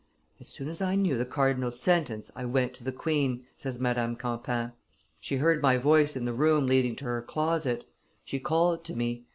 "As soon as I knew the cardinal's sentence, I went to the queen," says Madame Campan. "She heard my voice in the room leading to her closet; she called to me.